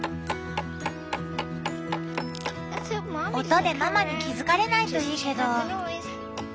音でママに気付かれないといいけど。